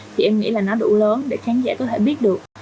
thì em nghĩ là nó đủ lớn để khán giả có thể biết được